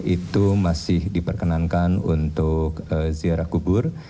empat puluh lima itu masih diperkenankan untuk ziarah kubur